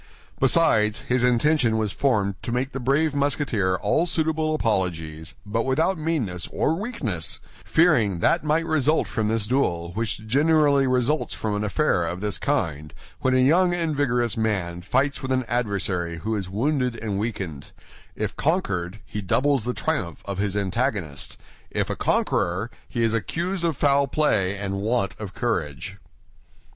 Besides, his intention was formed to make the brave Musketeer all suitable apologies, but without meanness or weakness, fearing that might result from this duel which generally results from an affair of this kind, when a young and vigorous man fights with an adversary who is wounded and weakened—if conquered, he doubles the triumph of his antagonist; if a conqueror, he is accused of foul play and want of courage.